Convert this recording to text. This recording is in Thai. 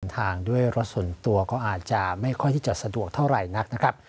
การเดินทางด้วยรถส่วนตัวก็อาจจะไม่ค่อยสะดวกเท่าไรนักนะครับ